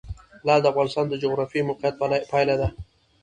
لعل د افغانستان د جغرافیایي موقیعت پایله ده.